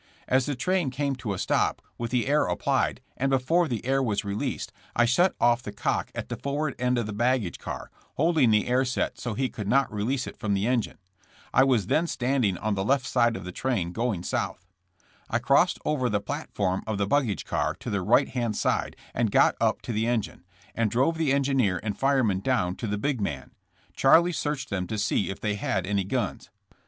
As the train came to a stop, with the air applied, and before the air was released, I shut off the cock at the forward end of the baggage car, holding the air set so he could not release it from the engine. I was then standing on the left side of the train going south. I crossed over the platform of the baggage car to the right hand side and got up to the engine, and drove the engineer and fireman down to the big man. Charlie searched them to see if they had any guns.